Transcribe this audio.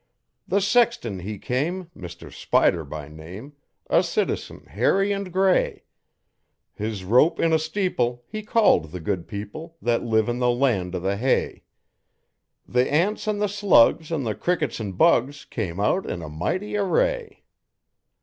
The sexton he came Mr Spider by name a citizen hairy and grey. His rope in a steeple, he called the good people That live in the land o' the hay. The ants an' the squgs an' the crickets an' bugs came out in a mighty array.